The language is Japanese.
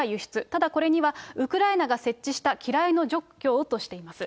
ただこれには、ウクライナが設置した機雷の除去をとしています。